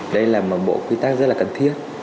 đây là một bộ quy tắc rất là cần thiết